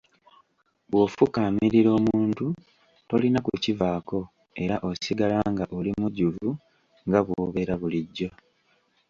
Bw'ofukaamirira omuntu tolina kikuvaako era osigala nga oli mujjuvu nga bw'obeera bulijjo.